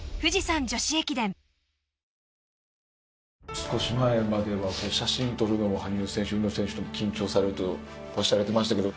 少し前までは写真撮るのも羽生選手宇野選手と緊張されるとおっしゃられてましたけど。